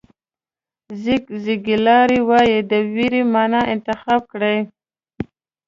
زیګ زیګلار وایي د وېرې معنا انتخاب کړئ.